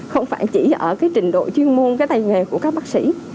không phải chỉ ở cái trình độ chuyên môn cái tay nghề của các bác sĩ